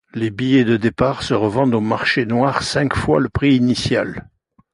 Les billets de départ se revendent au marché noir cinq fois le prix initial.